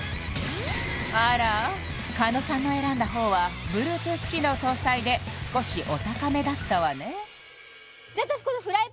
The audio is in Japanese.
あら狩野さんの選んだ方はＢｌｕｅｔｏｏｔｈ機能搭載で少しお高めだったわねじゃ私